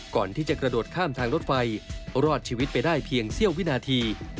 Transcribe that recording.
ก่อนที่จะกระโดดข้ามทางรถไฟรอดชีวิตไปได้เพียงเสี้ยววินาที